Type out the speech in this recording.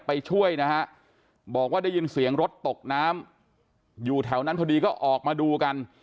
ไปช่วยนะฮะบอกว่าได้ยินเสียงรถตกน้ำอยู่แถวนั้นพอดีก็ออกมาดูกัน